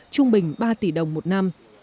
trung bình ba tỷ đồng một năm